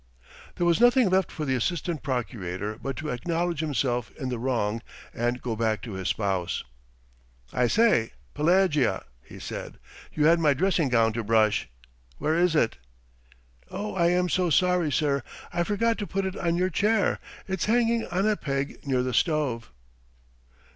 There was nothing left for the assistant procurator but to acknowledge himself in the wrong and go back to his spouse. "I say, Pelagea," he said, "you had my dressing gown to brush. Where is it?" "Oh, I am so sorry, sir; I forgot to put it on your chair. It's hanging on a peg near the stove."